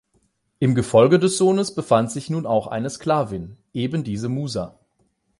Im Gefolge des Sohnes befand sich nun auch eine Sklavin, ebendiese Musa.